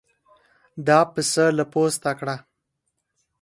دا پسه له پوسته کړه.